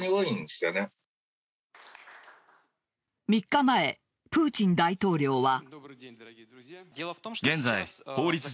３日前、プーチン大統領は。